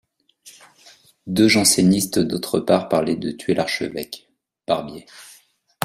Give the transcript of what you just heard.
Deux jansénistes d'autre part parlaient de tuer l'archevêque (Barbier).